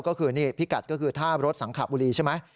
ก็คือนี่พิกัดก็คือท่ารถสังขบุรีใช่ไหม